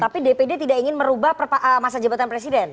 tapi dpd tidak ingin merubah masa jabatan presiden